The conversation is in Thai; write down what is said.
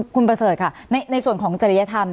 คุณประเสริฐค่ะในส่วนของจริยธรรม